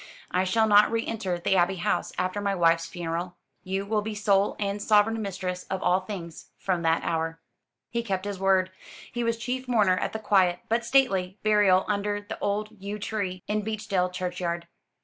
I shall not re enter the Abbey House after my wife's funeral. You will be sole and sovereign mistress of all things from that hour." He kept his word. He was chief mourner at the quiet but stately burial under the old yew tree in Beechdale churchyard.